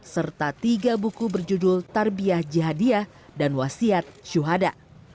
serta tiga buku berjudul tarbiah jihadiah dan wasiat syuhada